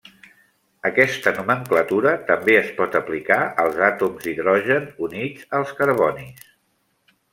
Aquesta nomenclatura també es pot aplicar als àtoms d'hidrogen units als carbonis.